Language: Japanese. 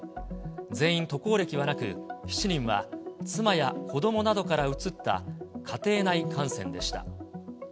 全員渡航歴はなく、７人は妻や子どもなどからうつった家庭内感染でした。